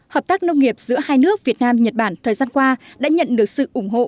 hợp tác nông nghiệp giữa hai nước việt nam nhật bản thời gian qua đã nhận được sự ủng hộ